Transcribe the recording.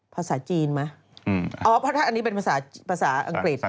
ภาษาจีนไหมอ๋อเพราะถ้าอันนี้เป็นภาษาอังกฤษ